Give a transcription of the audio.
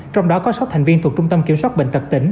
trong đó có sáu thành viên thuộc trung tâm kiểm soát bệnh tật tỉnh